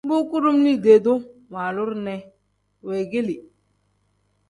Bu kudum liidee-duu waaluru ne weegeeli.